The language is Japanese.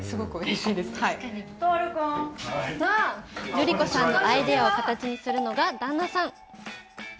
るり子さんのアイディアを形にするのが旦那さん。